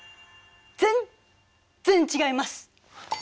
全然違います！